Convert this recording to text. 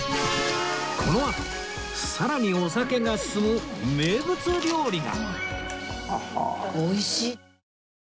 このあとさらにお酒が進む名物料理が！